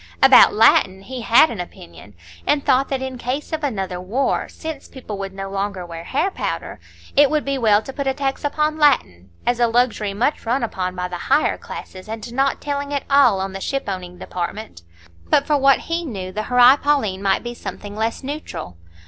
About Latin he had an opinion, and thought that in case of another war, since people would no longer wear hair powder, it would be well to put a tax upon Latin, as a luxury much run upon by the higher classes, and not telling at all on the ship owning department. But, for what he knew, the Horæ Paulinæ might be something less neutral.